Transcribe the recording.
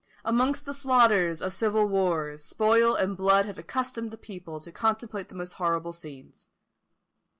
Amidst the slaughters of civil wars, spoil and blood had accustomed the people to contemplate the most horrible scenes.